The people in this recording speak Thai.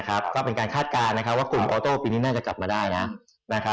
ก็เป็นการคาดการณ์ว่ากลุ่มออโต้ปีนี้น่าจะกลับมาได้นะ